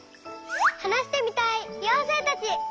はなしてみたいようせいたち！